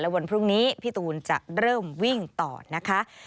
วันพรุ่งนี้พี่ตูนจะเริ่มวิ่งต่อนะคะ